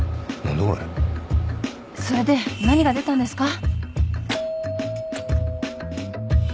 それで何が出たんですか？